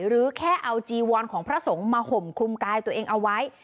หรือแค่เอาจีวอนของพระสงฆ์มาห่มคลุมกายตัวเองเอาไว้